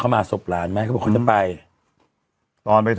เมื่อ